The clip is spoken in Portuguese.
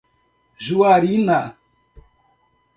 Juarina